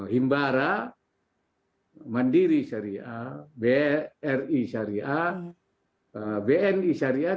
himbara mandiri syariah bri syariah bni syariah